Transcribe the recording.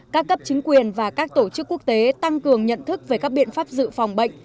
các cấp chính quyền và các tổ chức quốc tế tăng cường nhận thức về các biện pháp dự phòng bệnh